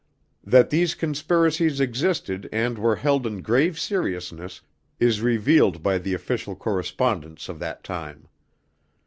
That these conspiracies existed and were held in grave seriousness is revealed by the official correspondence of that time.